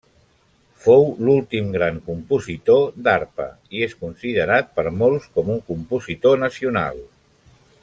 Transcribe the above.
Fou l'últim gran compositor d'arpa i és considerat per molts com un compositor nacional.